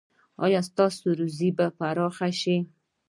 ایا ستاسو روزي به پراخه شي؟